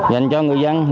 dành cho người dân